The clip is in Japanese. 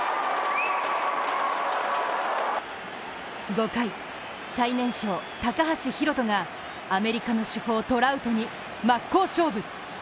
５回、最年少・高橋宏斗がアメリカの主砲・トラウトに真っ向勝負。